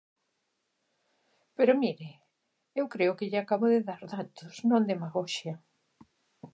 Pero, mire, eu creo que lle acabo de dar datos, non demagoxia.